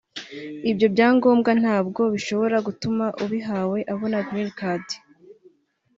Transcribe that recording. ibyo byangombwa ntabwo bishobora gutuma ubihawe abona Green Card